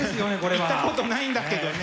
行ったことないんだけどね。